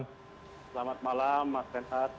selamat malam mas benat